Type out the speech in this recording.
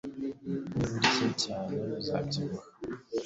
niba urya cyane, uzabyibuha